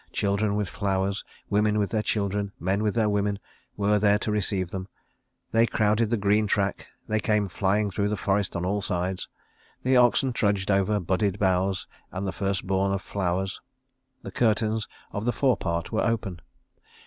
Children with flowers, women with their children, men with their women, were there to receive them. They crowded the green track, they came flying through the forest on all sides. The oxen trudged over budded boughs and the first born of flowers. The curtains of the forepart were open.